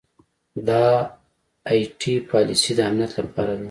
دا ائ ټي پالیسۍ د امنیت لپاره دي.